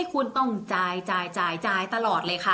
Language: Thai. ส่งผลทำให้ดวงชาวราศีมีนดีแบบสุดเลยนะคะ